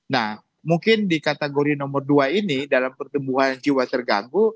nah mungkin di kategori nomor dua ini dalam pertumbuhan jiwa terganggu